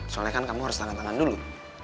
soalnya kan kamu harus tangan tangan dulu